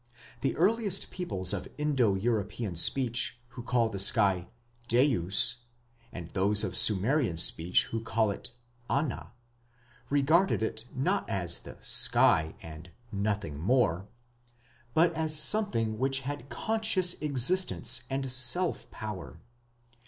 The earliest peoples of Indo European speech who called the sky "dyeus", and those of Sumerian speech who called it "ana", regarded it not as the sky "and nothing more", but as something which had conscious existence and "self power".